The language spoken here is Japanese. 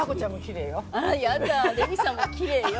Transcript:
やだレミさんもきれいよ。